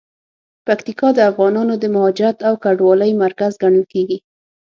پکتیکا د افغانانو د مهاجرت او کډوالۍ مرکز ګڼل کیږي.